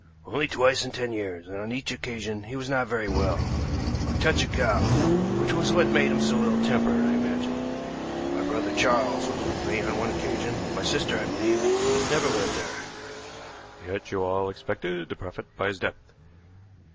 "Only twice in ten years, and on each occasion he was not very well a touch of gout, which was what made him so ill tempered, I imagine. My brother Charles was with me on one occasion; my sister, I believe, never went there." "Yet you all expected to profit by his death?"